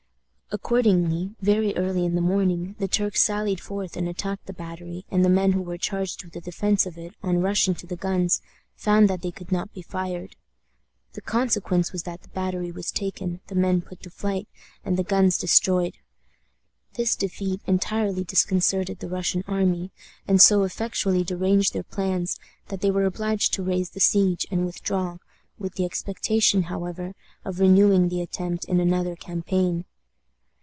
Accordingly, very early in the morning the Turks sallied forth and attacked the battery, and the men who were charged with the defense of it, on rushing to the guns, found that they could not be fired. The consequence was that the battery was taken, the men put to flight, and the guns destroyed. This defeat entirely disconcerted the Russian army, and so effectually deranged their plans that they were obliged to raise the siege and withdraw, with the expectation, however, of renewing the attempt in another campaign.